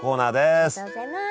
ありがとうございます。